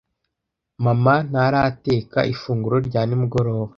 Mama ntarateka ifunguro rya nimugoroba.